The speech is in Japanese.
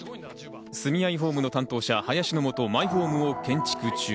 住愛ホームの担当者・林のもと、マイホームを建築中。